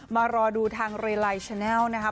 มารอดูทางเรไลน์ไลฟ์แชนเนลนะครับ